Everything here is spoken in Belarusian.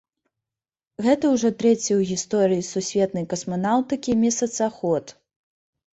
Гэта ўжо трэці ў гісторыі сусветнай касманаўтыкі месяцаход.